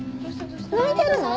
泣いてるの？